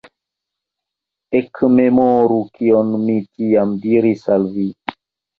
Ekmemoru, kion mi tiam diris al vi!